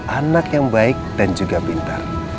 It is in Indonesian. anak yang baik dan juga pintar